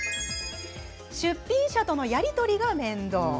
出品者とのやり取りが面倒。